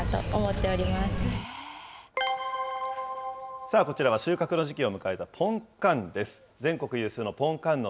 さあこちらは収穫の時期を迎えたポンカンです。